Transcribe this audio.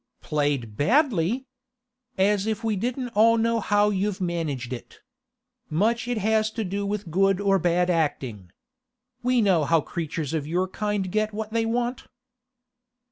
'Played badly! As if we didn't all know how you've managed it! Much it has to do with good or bad acting! We know how creatures of your kind get what they want.